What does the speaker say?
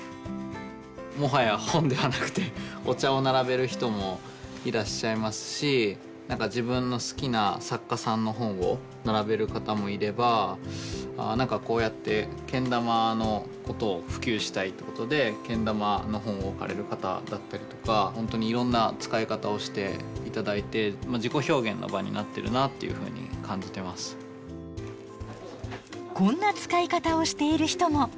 もはや本ではなくてお茶を並べる人もいらっしゃいますし何か自分の好きな作家さんの本を並べる方もいれば何かこうやってけん玉のことを普及したいってことでけん玉の本を置かれる方だったりとか本当にいろんな使い方をして頂いてこんな使い方をしている人も。